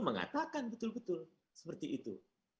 mengatakan betul betul seperti itu